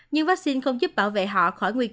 nhưng vaccine không giúp bảo vệ họ khỏi nguy cơ